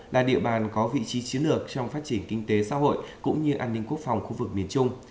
là địa bàn có vị trí chiến lược trong phát triển kinh tế xã hội cũng như an ninh quốc phòng khu vực miền trung